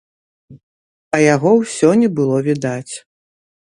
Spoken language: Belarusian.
А яго ўсё не было відаць.